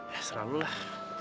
ya serah lo lah